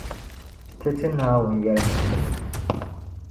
Ti ti Naawuni yεlimaŋli.